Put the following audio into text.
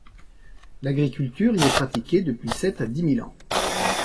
L'agriculture y est pratiquée depuis sept à dix mille ans.